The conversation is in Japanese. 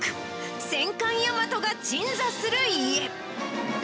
戦艦大和が鎮座する家。